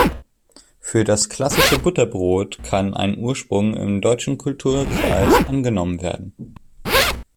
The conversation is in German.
Für das klassische Butterbrot kann ein Ursprung im deutschen Kulturkreis angenommen werden.